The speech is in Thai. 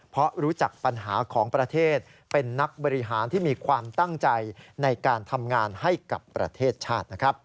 เพราะรู้จักปัญหาของประเทศเป็นนักบริหารที่มีความตั้งใจในการทำงานให้กับประเทศชาตินะครับ